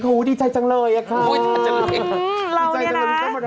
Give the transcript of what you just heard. เขาดีใจจังเลยอะค่ะดีใจจังเลยเราก็ดีใจละดีใจมาก